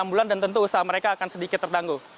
enam bulan dan tentu usaha mereka akan sedikit terganggu